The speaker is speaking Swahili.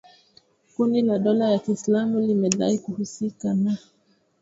Kundi la dola ya Kiislamu limedai kuhusika na